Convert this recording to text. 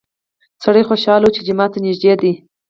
سړی خوشحاله و چې جومات ته نږدې دی.